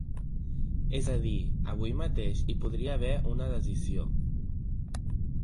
És a dir, avui mateix hi podria haver una decisió.